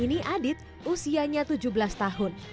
kini adit usianya tujuh belas tahun